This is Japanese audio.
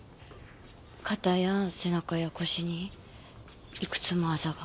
肩や背中や腰にいくつもアザが。